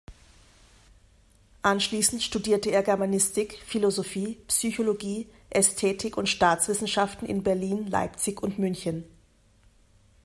Anschließend studierte er Germanistik, Philosophie, Psychologie, Ästhetik und Staatswissenschaften in Berlin, Leipzig und München.